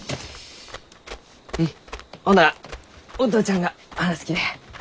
うんほんならお父ちゃんが話すきね。